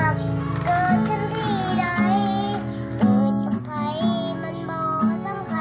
มันสิมาดนมันให้ในหัวใจเมื่อเคยร่างรา